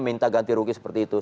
minta ganti rugi seperti itu